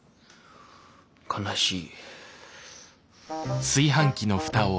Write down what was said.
悲しい。